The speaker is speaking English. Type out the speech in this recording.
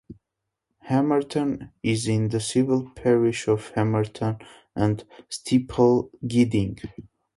Hamerton is in the civil parish of Hamerton and Steeple Gidding.